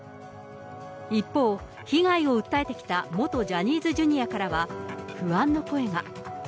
一方、被害を訴えてきた元ジャニーズＪｒからは不安の声が。